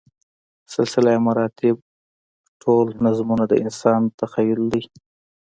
سلسله مراتبو ټول نظمونه د انسان تخیل دی.